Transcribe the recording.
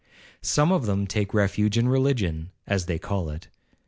Some of them take refuge in religion, as they call it.